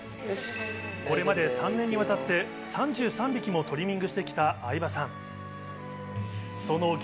これまで３年にわたって３３匹もトリミングしてきた相葉さん。